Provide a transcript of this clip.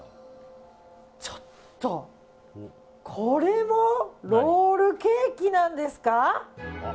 ちょっとこれもロールケーキなんですか！